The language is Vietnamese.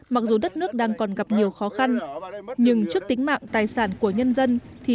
mặc dù đất nước đang còn gặp nhiều khó khăn nhưng trước tính mạng tài sản của nhân dân thì